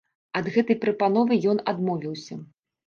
Ад гэтай прапановы ён адмовіўся.